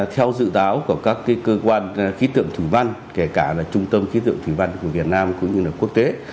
theo dự báo của các cơ quan khí tượng thủy văn kể cả là trung tâm khí tượng thủy văn của việt nam cũng như là quốc tế